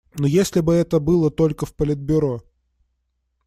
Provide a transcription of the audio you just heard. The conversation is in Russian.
Но если бы это было только в Политбюро.